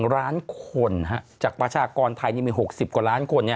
ล้านคนจากประชากรไทยนี่มี๖๐กว่าล้านคน